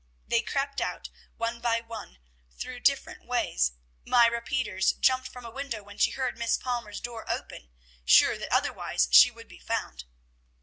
They crept out, one by one, through different ways. Myra Peters jumped from a window when she heard Miss Palmer's door open, sure that otherwise she would be found.